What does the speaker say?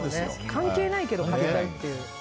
関係ないけど買いたいっていう。